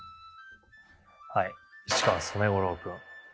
はい市川染五郎君。